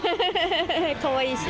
かわいいし。